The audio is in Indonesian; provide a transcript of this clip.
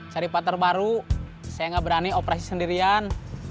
cari patar baru saya gak berani operasi sendirian